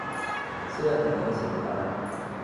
เสื้อตัวนี้สีฟ้า